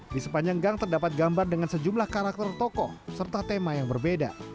di sepanjang gang terdapat gambar dengan sejumlah karakter tokoh serta tema yang berbeda